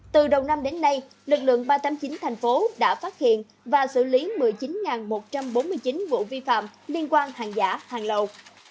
từ đầu năm đến nay lực lượng ba trăm tám mươi chín thành phố đã phát hiện và xử lý một mươi chín một trăm bốn mươi chín vụ vi phạm liên quan hàng giả hàng lậu